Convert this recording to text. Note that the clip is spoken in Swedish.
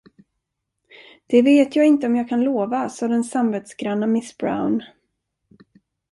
Det vet jag inte om jag kan lova, sade den samvetsgranna miss Brown.